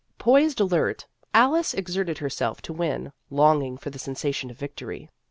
Poised alert, Alice exerted herself to win, longing for the sensation of victory.